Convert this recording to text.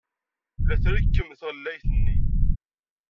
La trekkem tɣellayt-nni.